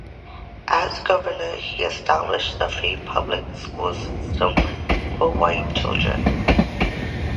As governor he established a free public school system for white children.